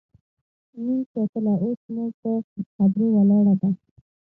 مونږ ساتله اوس مو په قبرو ولاړه ده